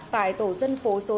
tại tổ dân phố số tám